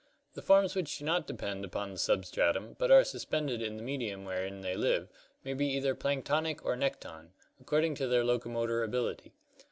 The forms which do not de pend upon the substratum but are suspended in the medium wherein they live may be either plankton or nekton, according to their locomotor ability.